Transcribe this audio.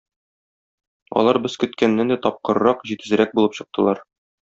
Алар без көткәннән дә тапкыррак, җитезрәк булып чыктылар.